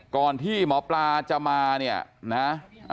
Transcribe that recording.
ก่อนที่หมอปลาจะมาเนี่ยนะ